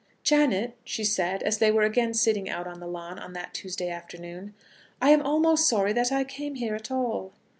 "Janet," she said, as they were again sitting out on the lawn, on that Tuesday afternoon, "I am almost sorry that I came here at all."